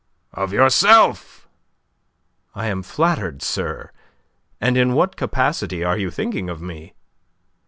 "Of yourself." "I am flattered, sir. And in what capacity are you thinking of me?"